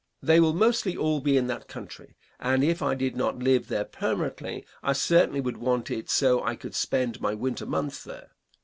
They will mostly all be in that country, and if I did not live there permanently, I certainly would want it so I could spend my winter months there.